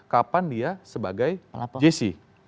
kapan dia sebagai jc